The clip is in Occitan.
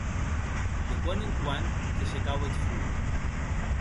De quan en quan se secaue eth front.